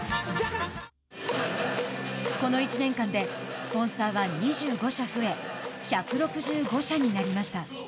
この１年間でスポンサーは２５社増え１６５社になりました。